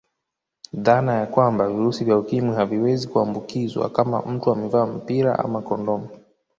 Dhana ya kwamba virusi vya ukimwi haviwezi ambukizwa kama mtu amevaa mpira ama kondomu